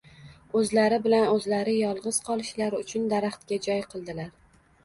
o‘zlari bilan o‘zlari yolg‘iz qolishlari uchun daraxtga joy qiladilar.